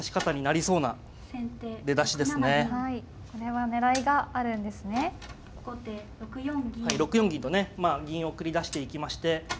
はい６四銀とねまあ銀を繰り出していきまして。